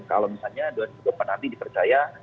kalau misalnya dua puluh empat nanti dipercaya